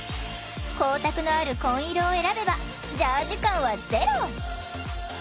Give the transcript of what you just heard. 光沢のある紺色を選べばジャージ感はゼロ。